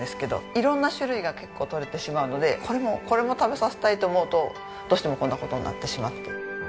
色んな種類が結構とれてしまうのでこれもこれも食べさせたいと思うとどうしてもこんな事になってしまって。